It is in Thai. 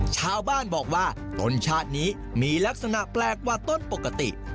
ชาวบ้านบอกว่าต้นชาตินี้มีลักษณะแปลกกว่าต้นปกติ